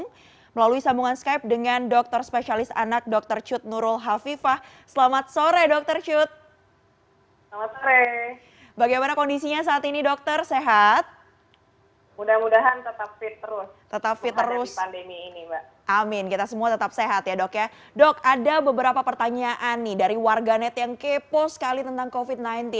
kemudian vaksin ng ya itu sudah tersedia saat ini